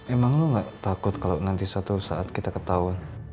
emang lu gak takut kalau nanti suatu saat kita ketahuan